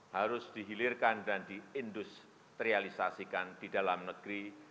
harus dihilirkan dan diindustrialisasikan di dalam negeri